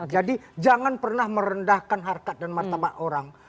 jadi jangan pernah merendahkan harkat dan martabat orang